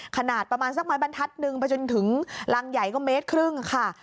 ขนาดประมาณสักไม้บรรทัศนึงไปจนถึงรังใหญ่ก็เมตรครึ่งค่ะ